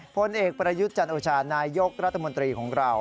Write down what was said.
พลเอกประยุทธ์จันโอชานายกรัฐมนตรีของเรา